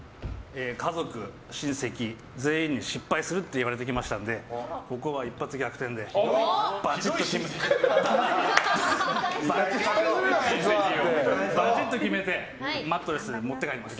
家族、親戚全員に失敗すると言われてきましたのでここは一発逆転でばちっと決めてマットレスを持って帰ります。